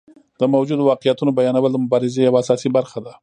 د موجودو واقعیتونو بیانول د مبارزې یوه اساسي برخه ده.